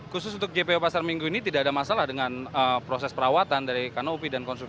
khusus untuk jpo pasar minggu ini tidak ada masalah dengan proses perawatan dari kanopi dan konstruksi